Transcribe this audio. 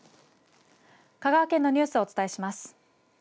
香川県のニュースをお伝えします。